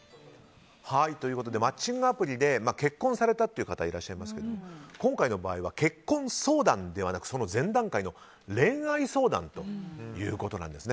マッチングアプリで結婚されたという方がいらっしゃいますけど今回の場合は結婚相談ではなくその前段階の恋愛相談ということなんです。